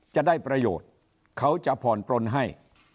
จะได้ประโยชน์เขาจะผ่อนปลนให้